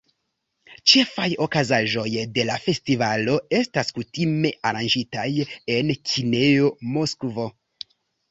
Ĉefaj okazaĵoj de la festivalo estas kutime aranĝitaj en kinejo Moskvo.